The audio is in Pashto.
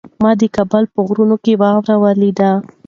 ما د کابل په غرونو کې واوره ولیده.